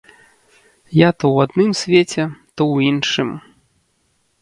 Я то ў адным свеце, то ў іншым.